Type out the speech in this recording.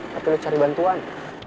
tapi lo cari bantuan